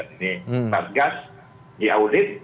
ini masgas diaudit